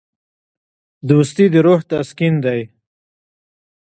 دوستي د روح تسکین دی.